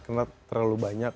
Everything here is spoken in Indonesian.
kenapa terlalu banyak